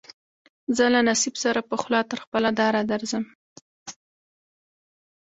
زه له نصیب سره پخلا تر خپله داره درځم